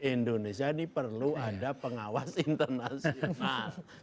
indonesia ini perlu ada pengawas internasional